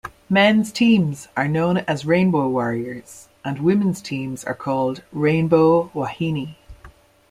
Men's teams are known as Rainbow Warriors, and women's teams are called Rainbow Wahine.